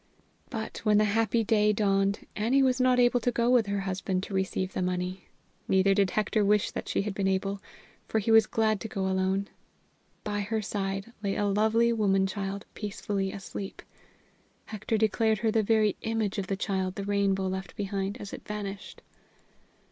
But when the happy day dawned Annie was not able to go with her husband to receive the money; neither did Hector wish that she had been able, for he was glad to go alone. By her side lay a lovely woman child peacefully asleep. Hector declared her the very image of the child the rainbow left behind as it vanished.